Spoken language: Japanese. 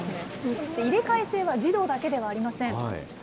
入れ替え制は児童だけではありません。